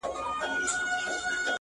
سفر انسان ته نوې خاطرې ورکوي